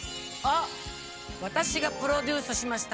私がプロデュースしました